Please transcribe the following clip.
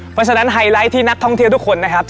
เพราะฉะนั้นไฮไลท์ที่นักท่องเที่ยวทุกคนนะครับ